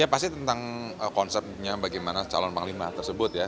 ya pasti tentang konsepnya bagaimana calon panglima tersebut ya